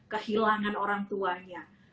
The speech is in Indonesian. kehilangan orang tuanya